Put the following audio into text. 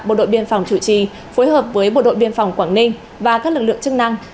bộ đội biên phòng chủ trì phối hợp với bộ đội biên phòng quảng ninh và các lực lượng chức năng